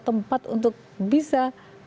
tempat untuk bisa